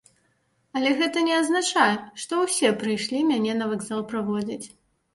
Але гэта не азначае, што ўсе прыйшлі мяне на вакзал праводзіць.